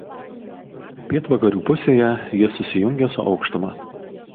Pietvakarių pusėje jis susijungia su aukštuma.